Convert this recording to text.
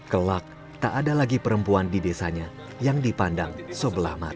kelak tak ada lagi perempuan di desanya yang dipandang sebelah mata